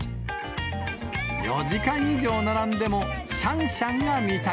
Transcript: ４時間以上並んでもシャンシャンが見たい。